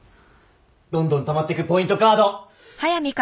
どんどんたまってくポイントカード！